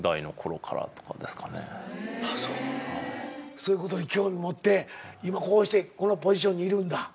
そういうことに興味持って今こうしてこのポジションにいるんだ。